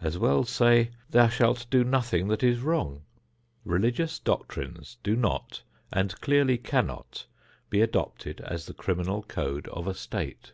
As well say: "Thou shalt do nothing that is wrong." Religious doctrines do not and clearly cannot be adopted as the criminal code of a state.